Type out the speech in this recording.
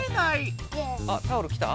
あタオルきた？